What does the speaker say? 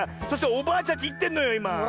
そしておばあちゃんちいってんのよいま。